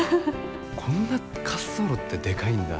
こんな滑走路ってでかいんだ。